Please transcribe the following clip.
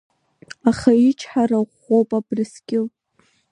Аха ичҳара ӷәӷәоуп Абраскьыл.